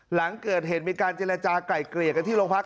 หลังเกิดเหตุมีการเจรจากลายเกลี่ยกันที่โรงพัก